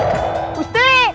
aku akan menangkap mereka semua